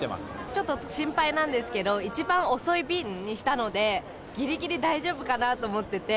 ちょっと心配なんですけど、一番遅い便にしたので、ぎりぎり大丈夫かなと思ってて。